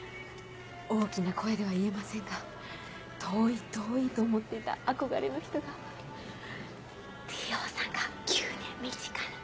大きな声では言えませんが遠い遠いと思ってた憧れの人がＴ・Ｏさんが急に身近に。